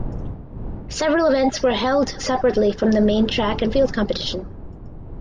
Several events were held separately from the main track and field competition.